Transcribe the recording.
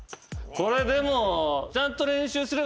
これでも。